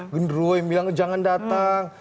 gundurwo yang bilang jangan datang